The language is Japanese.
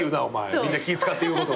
みんな気ぃ使って言うことを。